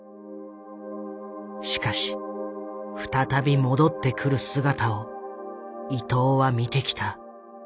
しかし再び戻ってくる姿をいとうは見てきた。